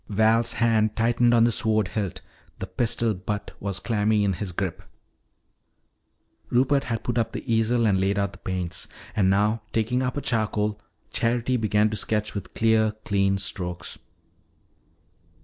Val's hand tightened on the sword hilt; the pistol butt was clammy in his grip. Rupert had put up the easel and laid out the paints. And now, taking up her charcoal, Charity began to sketch with clear, clean strokes.